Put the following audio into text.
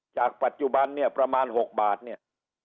จากปัจจุบันเนี่ยประมาณ๖บาทเนี่ย